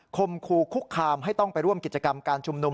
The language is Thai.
คมคู่คุกคามให้ต้องไปร่วมกิจกรรมการชุมนุม